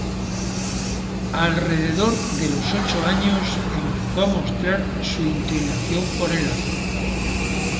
Alrededor de los ocho años empezó a mostrar su inclinación por el arte.